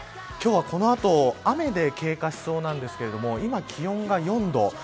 今日はこの後、雨で経過しそうなんですけれども今、気温が４度。